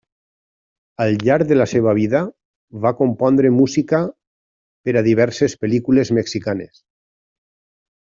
Al llarg de la seva vida va compondre música per a diverses pel·lícules mexicanes.